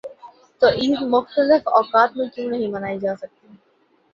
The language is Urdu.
تو عید مختلف اوقات میں کیوں نہیں منائی جا سکتی؟